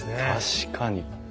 確かに。